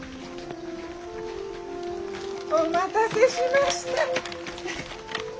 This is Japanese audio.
お待たせしました！